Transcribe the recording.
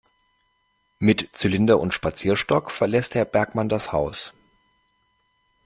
Mit Zylinder und Spazierstock verlässt Herr Bergmann das Haus.